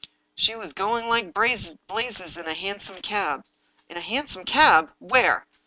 " She was going like blazes in a hansom cab." "In a hansom cab? Where?"